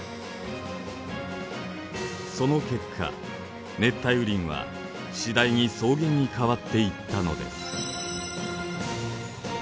その結果熱帯雨林は次第に草原に変わっていったのです。